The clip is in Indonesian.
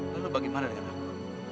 lalu bagaimana dengan aku